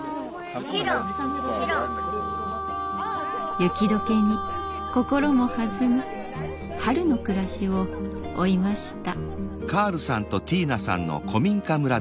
雪解けに心も弾む春の暮らしを追いました。